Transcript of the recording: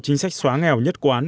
chính sách xóa nghèo nhất quán